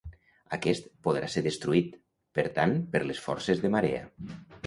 Aquest podrà ser destruït, per tant, per les forces de marea.